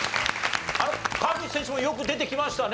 川口選手もよく出てきましたね。